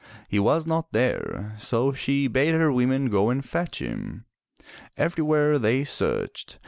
He was not there, so she bade her women go and fetch him. Everywhere they searched.